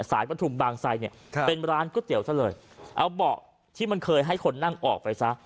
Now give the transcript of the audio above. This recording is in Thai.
ประทุมบางไซเนี่ยเป็นร้านก๋วยเตี๋ยวซะเลยเอาเบาะที่มันเคยให้คนนั่งออกไปซะ